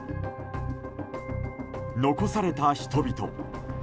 残された人々。